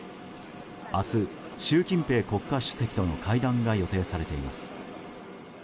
明日、習近平国家主席との会談が予定されています。